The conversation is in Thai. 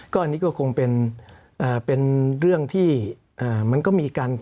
อันนี้ก็คงเป็นเรื่องที่มันก็มีการ